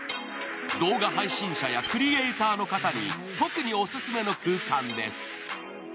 動画配信者やクリエイターの方に特にお勧めの空間です。